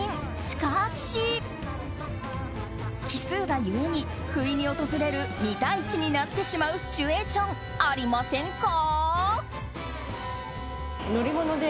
しかし奇数が故に不意に訪れる２対１になってしまうシチュエーションありませんか？